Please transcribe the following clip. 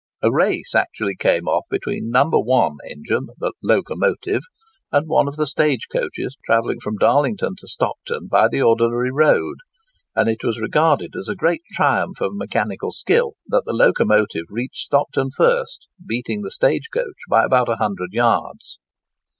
A race actually came off between No. I. engine, the "Locomotion," and one of the stage coaches travelling from Darlington to Stockton by the ordinary road; and it was regarded as a great triumph of mechanical skill that the locomotive reached Stockton first, beating the stage coach by about a hundred yards!